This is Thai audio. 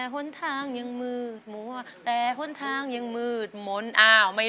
คิดว่าคงร้องได้